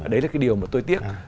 đấy là cái điều mà tôi tiếc